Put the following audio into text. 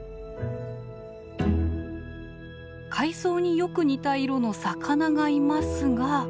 海藻によく似た色の魚がいますが。